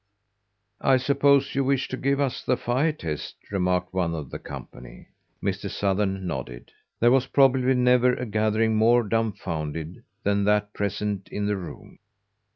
"I suppose you wish to give us the fire test," remarked one of the company. Mr. Sothern nodded. There was probably never a gathering more dumbfounded than that present in the room.